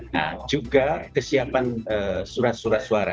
nah juga kesiapan surat surat suara